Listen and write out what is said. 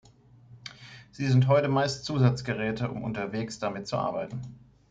Sie sind heute meist Zusatzgeräte um unterwegs damit zu arbeiten.